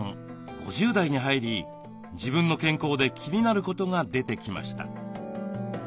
５０代に入り自分の健康で気になることが出てきました。